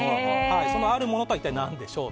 そのあるものとは何でしょう？